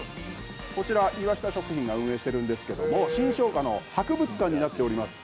こちら岩下食品が運営しているんですけれども新生姜の博物館になっています。